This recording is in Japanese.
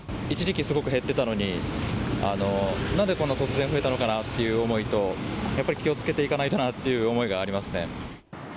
一時期、すごく減ってたのに、なんでこんな突然増えたのかなという思いと、やっぱり気をつけていかないとなという思いがありますね。